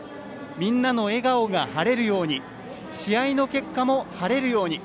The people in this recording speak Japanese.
みんなの笑顔が晴れるように試合の結果も晴れるように。